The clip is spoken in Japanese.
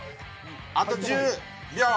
あと１０秒。